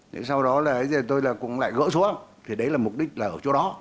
thì sau đó tôi cũng lại gỡ xuống thì đấy là mục đích là ở chỗ đó